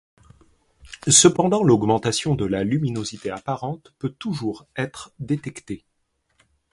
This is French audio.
Cependant, l'augmentation de la luminosité apparente peut toujours être détectée.